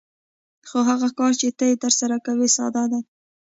خو هغه کار چې ته یې ترسره کوې ساده دی